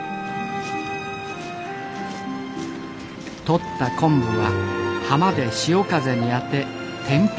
とった昆布は浜で潮風に当て天日干し。